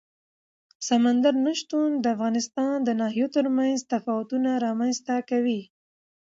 سمندر نه شتون د افغانستان د ناحیو ترمنځ تفاوتونه رامنځ ته کوي.